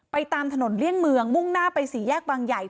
ตามถนนเลี่ยงเมืองมุ่งหน้าไปสี่แยกบางใหญ่